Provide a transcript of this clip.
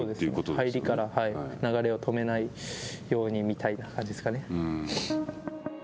入りから流れを止めないようにみたいな感じですかね。